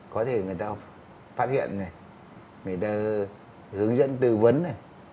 có thể người ta phát hiện này người ta hướng dẫn tư vấn này